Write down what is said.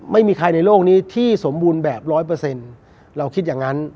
ไม่มีใครในโลกนี้ที่สมบูรณ์แบบร้อยเปอร์เซ็นต์เราคิดอย่างนั้น